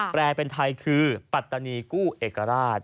แปลเป็นไทยคือปัตตานีกู้เอกราช